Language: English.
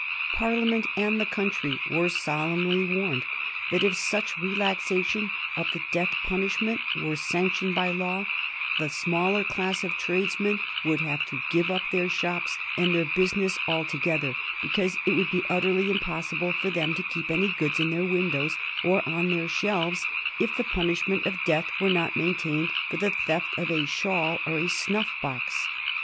Parliament and the country were solemnly warned that if such relaxation of the death punishment were sanctioned by law, the smaller class of tradesmen would have to give up their shops and their business altogether, because it would be utterly impossible for them to keep any goods in their windows or on their shelves if the punishment of death were not maintained for the theft of a shawl or a snuff box.